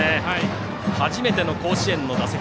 初めての甲子園の打席。